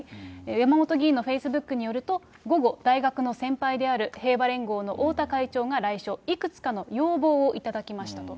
山本議員のフェイスブックによると、午後、大学の先輩である平和連合の太田会長が来所、いくつかの要望を頂きましたと。